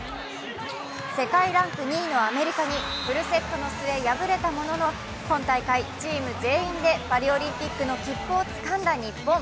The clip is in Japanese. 世界ランク２位のアメリカにフルセットの末、敗れたものの今大会、チーム全員でパリオリンピックの切符をつかんだ日本。